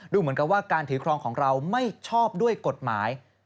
เหมือนกับว่าการถือครองของเราไม่ชอบด้วยกฎหมาย